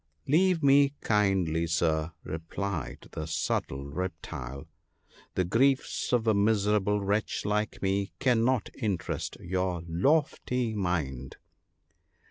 " Leave me, kindly Sir," replied the subtle reptile ; "the griefs of a miserable wretch like me cannot interest your lofty mind."